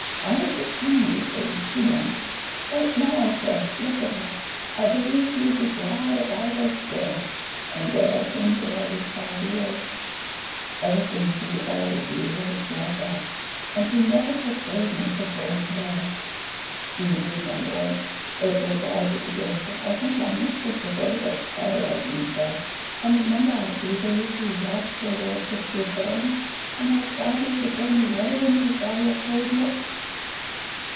I was the king, you see, she meant. But now, sir, look at her! I believe she would be glad if I was dead; and dead I've been to her these five years ever since you all of you had the small pox: and she never forgave me for going away." "Indeed, my lord, though 'twas hard to forgive, I think my mistress forgave it," Harry Esmond said; "and remember how eagerly she watched your lordship's return, and how sadly she turned away when she saw your cold looks."